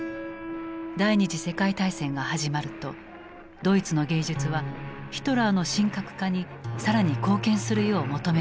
第二次世界大戦が始まるとドイツの芸術はヒトラーの神格化に更に貢献するよう求められた。